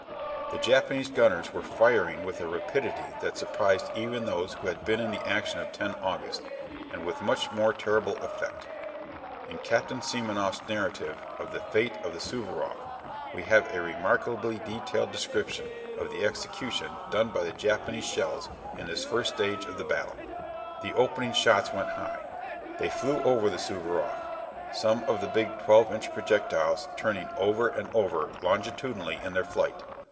The Japanese gunners were firing with a rapidity that surprised even those who had been in the action of 10 August, and with much more terrible effect. In Captain Semenoff's narrative of the fate of the "Suvaroff" we have a remarkably detailed description of the execution done by the Japanese shells in this first stage of the battle. The opening shots went high. They flew over the "Suvaroff," some of the big 12 inch projectiles turning over and over longitudinally in their flight.